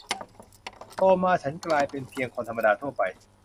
โตมาฉันกลายเป็นเพียงคนธรรมดาทั่วไป